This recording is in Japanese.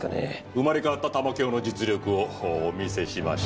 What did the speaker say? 生まれ変わった玉響の実力をお見せしましょう。